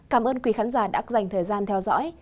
cảm ơn quý khán giả đã dành thời gian theo dõi